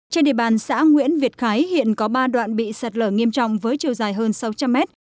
trên địa bàn xã nguyễn việt khái hiện có ba đoạn bị sạt lở nghiêm trọng với chiều dài hơn sáu trăm linh mét